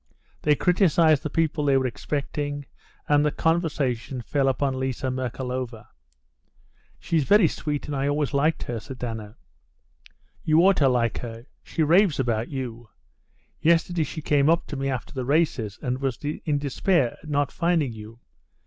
They criticized the people they were expecting, and the conversation fell upon Liza Merkalova. "She's very sweet, and I always liked her," said Anna. "You ought to like her. She raves about you. Yesterday she came up to me after the races and was in despair at not finding you.